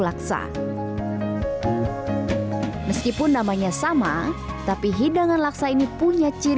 laksa di melayu